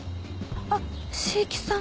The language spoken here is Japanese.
あっ椎木さん